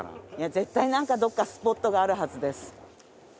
絶対何かどこかスポットがあるはずです。